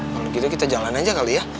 kalau gitu kita jalan aja kali ya